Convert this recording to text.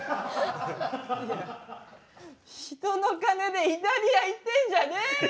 いや人の金でイタリア行ってんじゃねえよ！